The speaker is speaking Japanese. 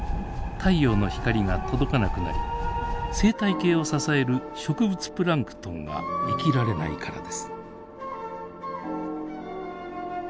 太陽の光が届かなくなり生態系を支える植物プランクトンが生きられないからです。